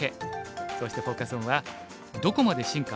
そしてフォーカス・オンは「どこまで進化？